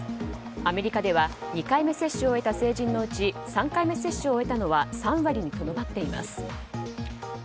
アメリカでは２回目接種を終えた成人のうち３回目接種を終えたのは３割にとどまっています。